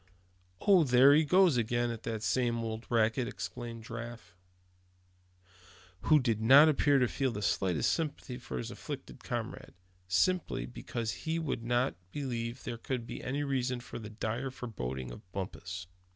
"Oh! there he goes again on that same old racket!" exclaimed Giraffe; who did not appear to feel the slightest sympathy for his afflicted comrade, simply, because he would not believe there could be any reason for the dire forebodings of Bumpus.